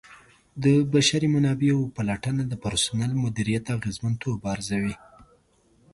د بشري منابعو پلټنه د پرسونل مدیریت اغیزمنتوب ارزوي.